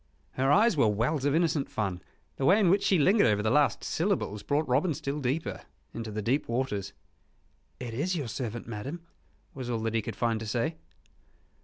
Her eyes were wells of innocent fun. The way in which she lingered over the last syllables brought Robin still deeper into the deep waters. "It is your servant, madame," was all that he could find to say.